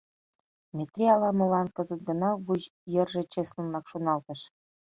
Метрий ала-молан кызыт гына вуй йырже чеслынак шоналтыш.